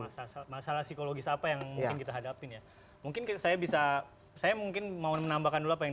masalah masalah psikologis apa yang mungkin kita hadapin ya mungkin saya bisa saya mungkin mau menambahkan dulu apa yang